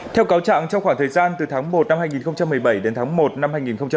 theo cáo trạng trong khoảng thời gian từ tháng một năm hai nghìn một mươi bảy đến tháng một năm hai nghìn một mươi chín